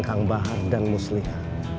kang bahar dan musliha